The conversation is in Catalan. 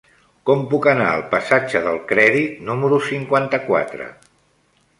Com puc anar al passatge del Crèdit número cinquanta-quatre?